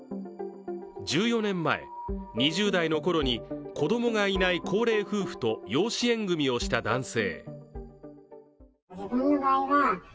１４年前、２０代のころに子供がいない高齢夫婦と養子縁組をした男性。